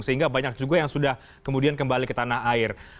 sehingga banyak juga yang sudah kemudian kembali ke tanah air